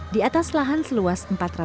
di atas lahan seluas empat kota